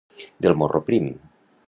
Del morro prim.